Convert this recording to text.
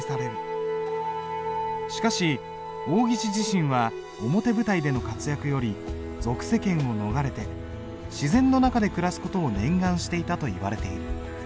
しかし王羲之自身は表舞台での活躍より俗世間を逃れて自然の中で暮らす事を念願していたといわれている。